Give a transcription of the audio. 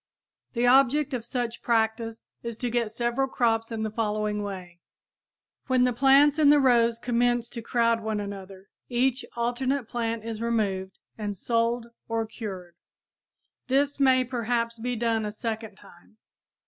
The object of such practice is to get several crops in the following way: When the plants in the rows commence to crowd one another each alternate plant is removed and sold or cured. This may perhaps be done a second time.